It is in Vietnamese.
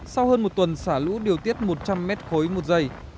sau hơn một tuần xả lũ điều tiết một trăm linh mét khối một giây